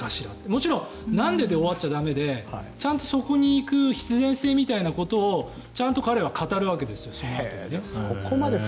もちろん、なんでで終わっちゃ駄目でちゃんとそこに行く必然性みたいなことをちゃんと彼は語るわけですよ